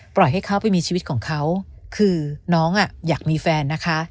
ปล่อยให้เขาไปมีชีวิตของเขาคือน้องอ่ะอยากมีแฟนนะคะ